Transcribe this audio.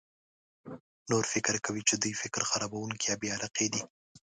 نور فکر کوي چې دوی فکر خرابونکي یا بې علاقه دي.